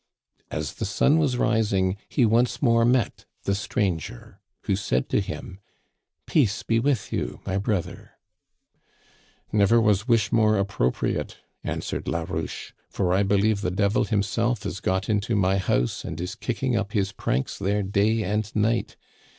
" As the sun was rising he once more met the stran ger, who said to him :'Peace be with you, my brother !'"* Never was wish more appropriate,' answered La rouche, * for I believe the devil himself has got into my house, and is kicking up his pranks there day and night.